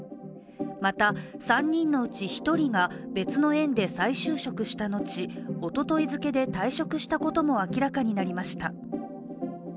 また、３人のうち１人が、別の園で再就職した後、おととい付で退職したことも明らかになりました。